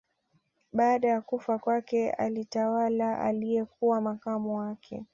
Baada ya kufa kwake alitawala aliyekuwa makamu wake